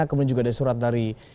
kemudian juga ada surat dari